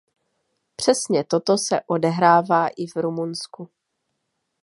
Přesně toto se odehrává i v Rumunsku.